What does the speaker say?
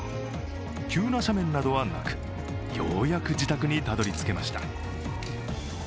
急な斜面などはなくようやく自宅にたどりつけました。